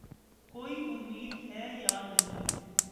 کوئی امید ہے یا نہیں ؟